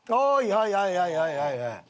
はいはいはいはいはい。